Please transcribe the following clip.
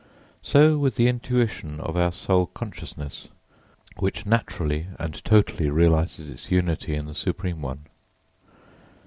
So with the intuition of our Soul consciousness, which naturally and totally realises its unity in the Supreme One.